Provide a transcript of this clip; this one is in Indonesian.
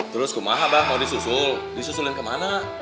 terus kemana bang mau disusul disusulin kemana